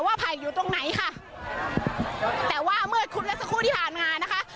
ไผ่อยู่ตรงไหนค่ะแต่ว่าเมื่อคุณและสักครู่ที่ผ่านมานะคะ